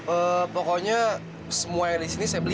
oh pokoknya semua yang di sini saya beli